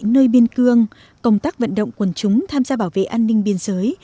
nơi biên cương công tác vận động quần chúng tham gia bảo vệ an ninh biên giới